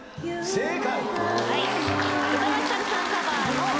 正解！